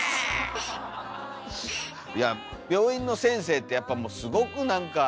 いや病院の先生ってやっぱすごくなんか。